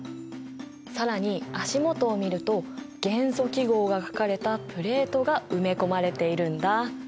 更に足元を見ると元素記号が書かれたプレートが埋め込まれているんだ。